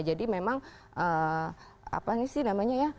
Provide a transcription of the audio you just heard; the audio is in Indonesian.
jadi memang apa ini sih namanya ya